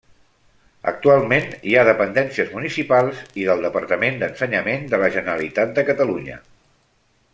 Actualment hi ha dependències municipals i del Departament d'Ensenyament de la Generalitat de Catalunya.